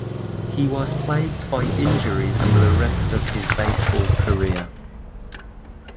He was plagued by injuries for the rest of his baseball career.